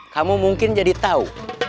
kamu mungkin jadi tahu